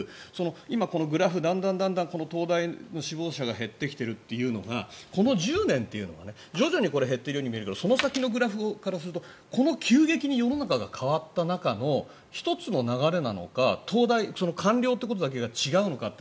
今、このグラフだんだん、東大の志望者が減ってきているというのがこの１０年というのは徐々に減っているように見えるけどその先のグラフからするとこの急激に世の中が変わった中の１つの流れなのか官僚ということだけが違うのかって